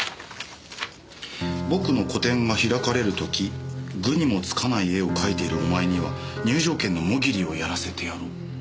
「僕の個展が開かれるとき愚にもつかない絵を描いているお前には入場券のモギリをやらせてやろう」。